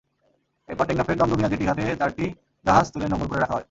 এরপর টেকনাফের দমদমিয়া জেটি ঘাটে চারটি জাহাজ তুলে নোঙর করে রাখা হয়।